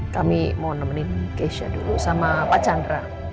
kami mau nemenin keisha dulu sama pak chandra